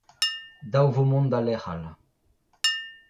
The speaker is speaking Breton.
Dav vo mont da lec'h all.